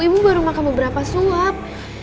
ibu baru makan beberapa suap